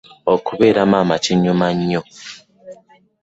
Okubeera mama kinyuma nyo.